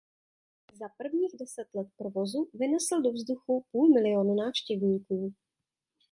Za prvních deset let provozu vynesl do vzduchu půl miliónu návštěvníků.